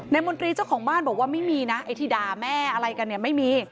มนตรีเจ้าของบ้านบอกว่าไม่มีนะไอ้ที่ด่าแม่อะไรกันเนี่ยไม่มี